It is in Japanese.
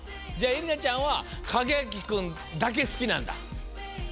じゃあえりなちゃんはカゲアキくんだけ好きなんだ？